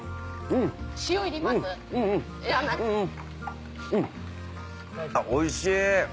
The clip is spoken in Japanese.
うんあっおいしい。